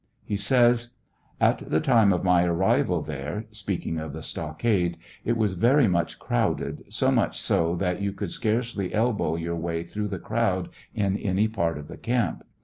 He says : At tlie time of my arrival there (speaking of the stockade) it was very much crowded, so much so that you could scarcely elbow your way through the crowd in any part of the camp.